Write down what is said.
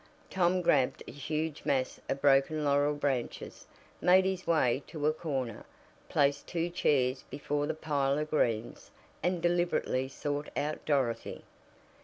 Tom grabbed a huge mass of broken laurel branches, made his way to a corner, placed two chairs before the pile of greens and deliberately sought out Dorothy.